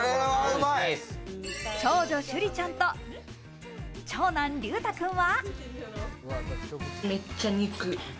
長女・珠里ちゃんと長男・琉太君は。